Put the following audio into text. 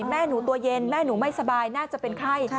แม่หนูตัวเย็นแม่หนูไม่สบายน่าจะเป็นไข้